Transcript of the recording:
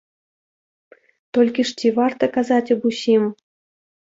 Толькі ж ці варта казаць аб усім?